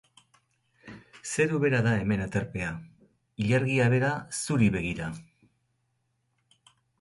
Zeru bera da hemen aterpea, ilargia bera zuri begira.